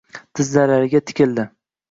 Tizzalariga tikildi.